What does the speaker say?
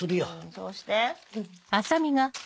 そうして。